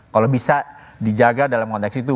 kalau bisa dijaga dalam konteks itu